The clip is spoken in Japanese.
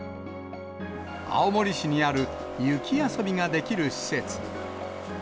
青森市にある雪遊びができる施設。